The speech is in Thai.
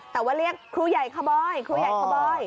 แต่ว่าเรียกครูใหญ่คาบอยครูใหญ่ขบอย